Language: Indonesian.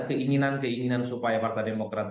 keinginan keinginan supaya partai demokrat